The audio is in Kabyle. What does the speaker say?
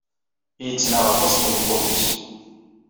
Yettnaɣ aṭas d tmeṭṭut-nnes.